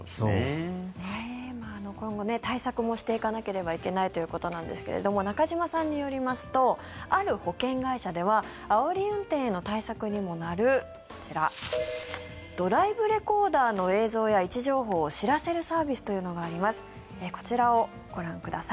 今後、対策もしていかなければいけないということですが中島さんによりますとある保険会社ではあおり運転への対策にもなるドライブレコーダーの映像や位置情報を知らせるサービスというのがあります。